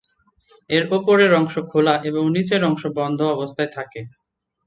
এর উপরের অংশ খোলা এবং নিচের অংশ বন্ধ অবস্থায় থাকে।